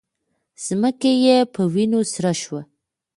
ځمکه یې په وینو سره شوه